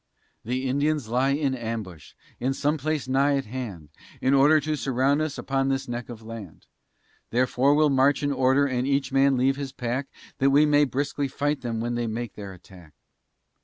"The Indians lie in ambush, in some place nigh at hand, In order to surround us upon this neck of land; Therefore we'll march in order, and each man leave his pack That we may briskly fight them, when they make their attack."